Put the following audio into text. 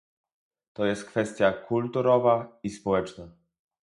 To jest kwestia kulturowa i społeczna